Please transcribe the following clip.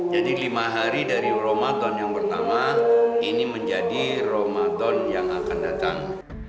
jadi lima hari dari ramadan yang pertama ini menjadi ramadan yang akan datang